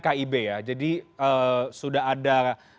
kib ya jadi sudah ada